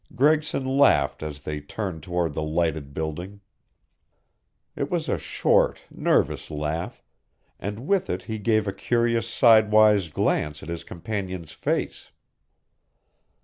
Gregson laughed as they turned toward the lighted building. It was a short, nervous laugh, and with it he gave a curious sidewise glance at his companion's face.